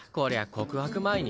告白前に。